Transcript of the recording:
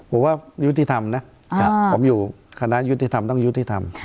ผมว่ายุติธรรมนะผมอยู่คณะยุติธรรมต้องยุติธรรม